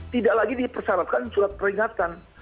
tidak lagi dipersyaratkan surat peringatan